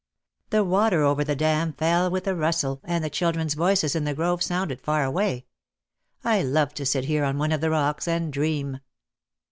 The water over the dam fell with a rustle and the children's voices in the grove sounded far away. I loved to sit here on one of the rocks and dream.